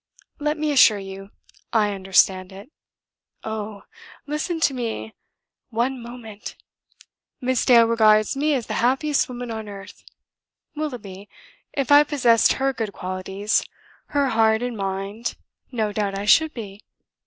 Let me assure you, I understand it. Oh! listen to me: one moment. Miss Dale regards me as the happiest woman on earth. Willoughby, if I possessed her good qualities, her heart and mind, no doubt I should be.